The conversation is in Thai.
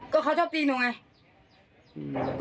แค่เขาชอบจีนดูไง